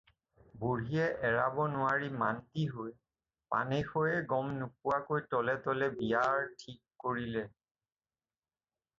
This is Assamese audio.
বুঢ়ীয়ে এৰাব নোৱাৰি মান্তি হৈ পানেশৈয়ে গম নোপোৱাকৈ তলে তলে বিয়াৰ ঠিক কৰিলে।